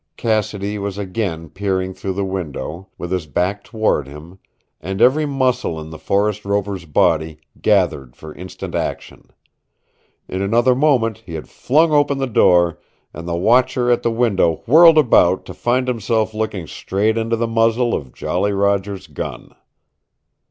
Cassidy was again peering through the window, with his back toward him, and every muscle in the forest rover's body gathered for instant action. In another moment he had flung open the door, and the watcher at the window whirled about to find himself looking straight into the muzzle of Jolly Roger's gun.